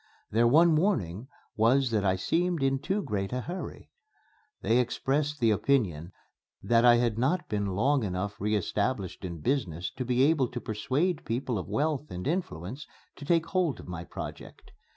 Their one warning was that I seemed in too great a hurry. They expressed the opinion that I had not been long enough re established in business to be able to persuade people of wealth and influence to take hold of my project.